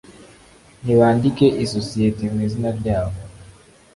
nibandike isosiyete mu izina ryabo